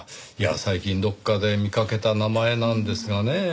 最近どこかで見かけた名前なんですがねぇ。